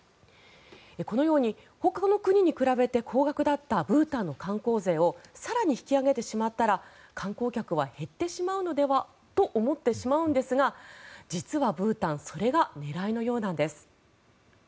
このようにほかの国に比べて高額だったブータンの観光税を更に引き上げてしまったら観光客は減ってしまうのではと思ってしまうんですが実はブータンそれが狙いのようなんです。